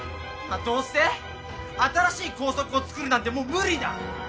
まあどうせ新しい校則を作るなんてもう無理だ。